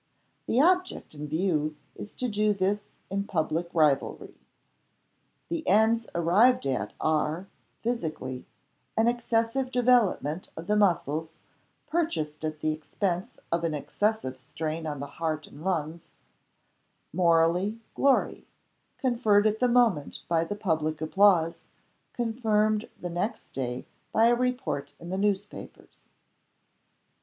The object in view is to do this in public rivalry. The ends arrived at are (physically) an excessive development of the muscles, purchased at the expense of an excessive strain on the heart and the lungs (morally), glory; conferred at the moment by the public applause; confirmed the next day by a report in the newspapers.